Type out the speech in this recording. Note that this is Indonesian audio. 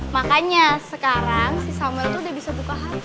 makanya sekarang si samuel tuh udah bisa berhenti